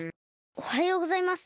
おはようございます。